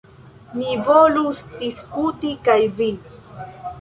Mi volus diskuti kaj vi.